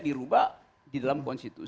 itu kita tugasnya